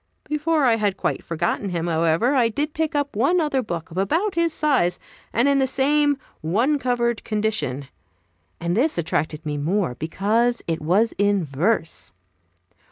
Before I had quite forgotten him, however, I did pick up one other book of about his size, and in the same one covered condition; and this attracted me more, because it was in verse.